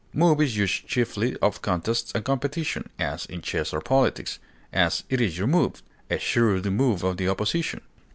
Move is used chiefly of contests or competition, as in chess or politics; as, it is your move; a shrewd move of the opposition.